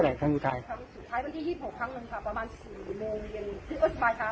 แล้วมันเคยลุกต่อหน้าต่อตาเราไหม